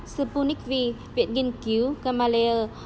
sputnik v viện nghiên cứu gamalea